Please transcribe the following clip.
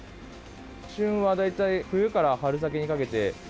旬は大体、冬から春先にかけて。